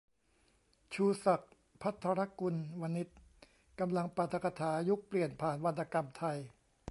ชูศักดิ์ ภัทรกุลวณิชย์ กำลังปาฐกถา ยุคเปลี่ยนผ่านวรรณกรรมไทย